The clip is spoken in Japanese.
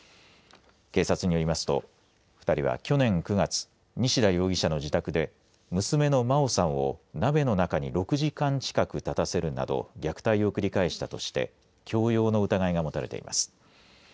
警察によりますと２人は去年９月西田容疑者の自宅で娘の真愛さんを鍋の中に６時間近く立たせるなど虐待を繰り返したとして強要の疑いが持たれています。